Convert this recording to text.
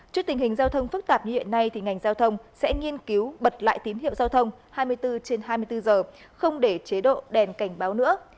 trước tình hình giao thông phức tạp như hiện nay ngành giao thông sẽ nghiên cứu bật lại tín hiệu giao thông hai mươi bốn trên hai mươi bốn giờ không để chế độ đèn cảnh báo nữa